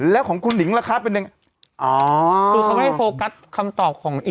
แล้วของคุณหญิงราคาเป็นยังไง